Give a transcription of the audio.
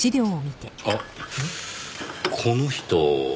あっこの人。